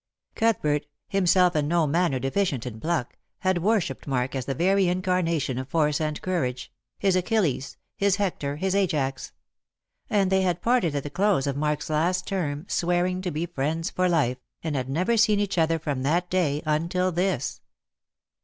Cuthbert — himself in no manner deficient in pluck — had worshipped Mark as the very incarnation of force and courage — his Achilles, his Hector, his Ajax ; and they had parted at the close of Mark's last term, swearing to be friends for life, and had never seen each other from that day until this.